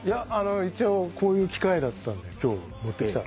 一応こういう機会だったんで今日持ってきた。